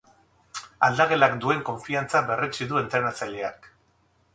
Aldagelak duen konfiantza berretsi du entrenatzaileak.